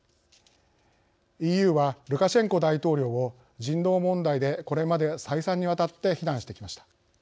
ＥＵは、ルカシェンコ大統領を人道問題でこれまで再三にわたって非難してきました。